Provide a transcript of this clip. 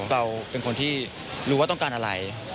เราเป็นคนที่รู้ว่าต้องการอะไร